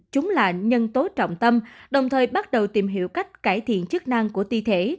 chúng là nhân tố trọng tâm đồng thời bắt đầu tìm hiểu cách cải thiện chức năng của thi thể